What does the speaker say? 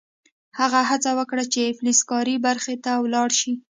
هغه هڅه وکړه چې فلزکاري برخې ته لاړ شي